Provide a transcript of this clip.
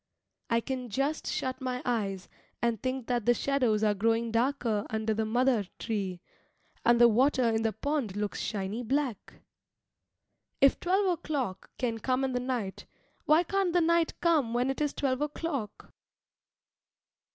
I can just shut my eyes and think that the shadows are growing darker under the madar tree, and the water in the pond looks shiny black. If twelve o'clock can come in the night, why can't the night come when it is twelve o'clock?